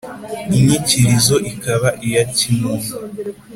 Inyikilizo ikaba iya kimuntu